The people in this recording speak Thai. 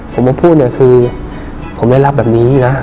ผมมาพูดเนี่ยคือผมไม่รับแบบนี้นะ